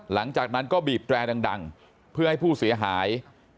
หลังจากนั้นก็บีบแตรดังเพื่อให้ผู้เสียหาย